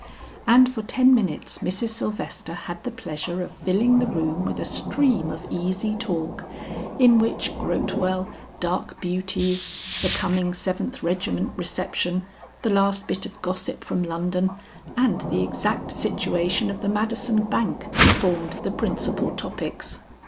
And for ten minutes Mrs. Sylvester had the pleasure of filling the room with a stream of easy talk, in which Grotewell, dark beauties, the coming Seventh Regiment reception, the last bit of gossip from London, and the exact situation of the Madison Bank formed the principal topics.